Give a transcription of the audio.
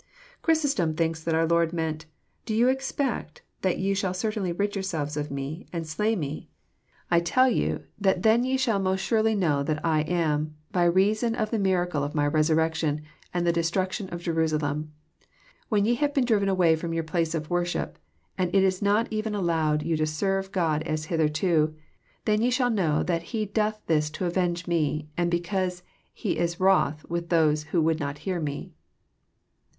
Chrysostom thinks that our Lord meant, *<Do you expect that you shall certainly rid yourselves of Me, and slay Me? I 5 1 98 EXrOSITORY THOUGHTS. tell you that then ye shall most surely know that I am, by reason of the miracle of my resurrection, and the destruction of Jerusa lem. When ye have been driven away from your place of wor ship, and it is not even allowed you to serve God as hitherto, then ye shall know that He doth this to avenge Me, and because He is wroth with those who would not hear Me."